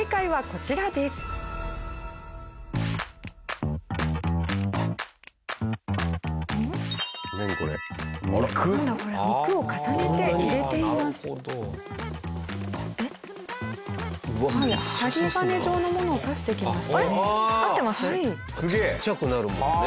ちっちゃくなるもんね。